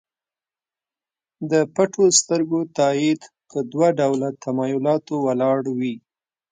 د پټو سترګو تایید په دوه ډوله تمایلاتو ولاړ وي.